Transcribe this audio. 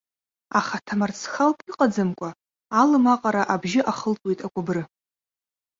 Ахаҭа марцхалк иҟаӡамкәа, алым аҟара абжьы ахылҵуеит акәыбры.